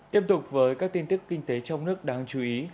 tiếp tục với các tin tức kinh tế trong nước đáng chú ý